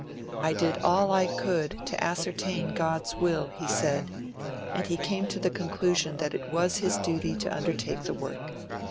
'I did all I could to ascertain God's Will,' he said, and he came to the conclusion that it was his duty to undertake the work.